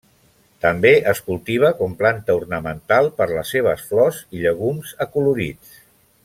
També es cultiva com planta ornamental per les seves flors i llegums acolorits.